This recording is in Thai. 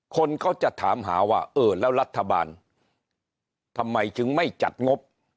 คนก็จะถามหาว่าเออแล้วรัฐบาลทำไมจึงไม่จัดงบ